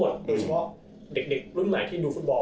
โดยเฉพาะเด็กรุ่นไหนที่ดูฟุตบอล